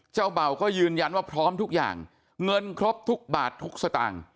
เบาก็ยืนยันว่าพร้อมทุกอย่างเงินครบทุกบาททุกสตางค์